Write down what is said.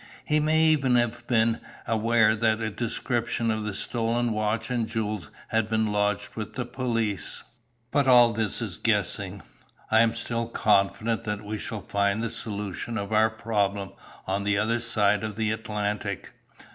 He may even have been made aware that a description of the stolen watch and jewels had been lodged with the police. But all this is guessing. I am still confident that we shall find the solution of our problem on the other side of the Atlantic.